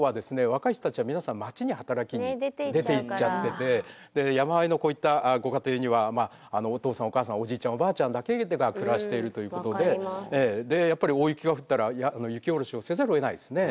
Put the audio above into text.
若い人たちは皆さん町に働きに出ていっちゃってて山あいのこういったご家庭にはお父さんお母さんおじいちゃんおばあちゃんだけが暮らしているということででやっぱり大雪が降ったら雪おろしをせざるをえないですね。